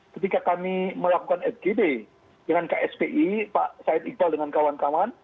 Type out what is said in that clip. ketika kami melakukan fgd dengan kspi pak said iqbal dengan kawan kawan